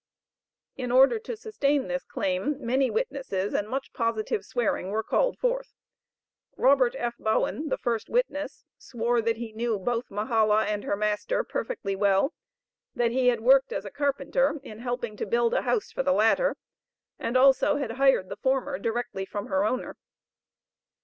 In order to sustain this claim many witnesses and much positive swearing were called forth. Robert F. Bowen, the first witness, swore that he knew both Mahala and her master perfectly well, that he had worked as a carpenter in helping to build a house for the latter, and also had hired the former directly from her owner.